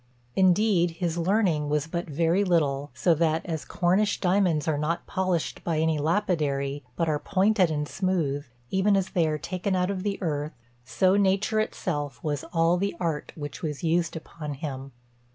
Indeed his learning was but very little; so that as Cornish diamonds are not polished by any lapidary, but are pointed and smooth, even as they are taken out of the earth, so Nature itself was all the art which was used upon him.